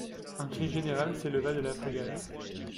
Un cri général s’éleva de la frégate.